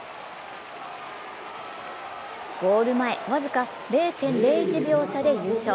ゴール前、僅か０．０１秒差で優勝。